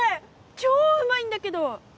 超うまいんだけど！